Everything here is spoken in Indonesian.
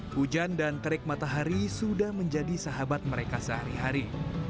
hujan dan terik matahari sudah menjadi sahabat mereka sehari hari